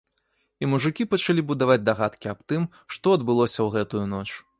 І мужыкі пачалі будаваць дагадкі аб тым, што адбылося ў гэтую ноч.